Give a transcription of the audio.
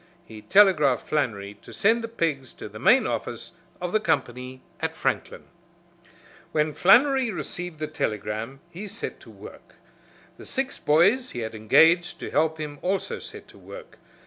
He telegraphed Flannery to send the pigs to the main office of the company at Franklin. When Flannery received the telegram he set to work. The six boys he had engaged to help him also set to work.